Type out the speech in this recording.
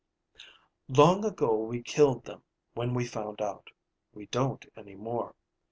Long ago we killed them when we found out. We don't any more.